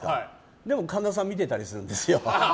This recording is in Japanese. でも、神田さんを見てたりするんですよ。